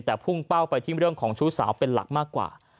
แต่พุ่งเป้าไปที่เรื่องของชู้สาวเป็นหลักมากกว่า